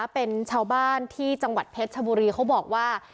เป็นชาวบ้านที่จังหวัดเพชรชบุรีเขาบอกว่า